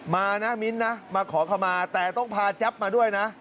มานะมิ้นนะมาขอขมาแต่ต้องพาแจ๊บมาด้วยนะ